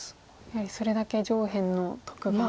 やはりそれだけ上辺の得が。